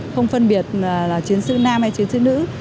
không phân biệt là chiến sĩ nam hay chiến sĩ nữ